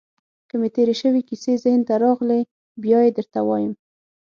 که مې تېرې شوې کیسې ذهن ته راغلې، بیا يې درته وایم.